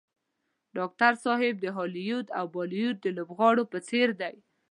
ډاکټر صاحب د هالیوډ او بالیوډ د لوبغاړو په څېر دی.